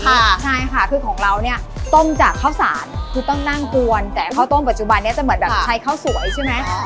ใช่ค่ะคือของเราเนี่ยต้มจากข้าวสารคือต้องนั่งกวนแต่ข้าวต้มปัจจุบันนี้จะเหมือนแบบใช้ข้าวสวยใช่ไหม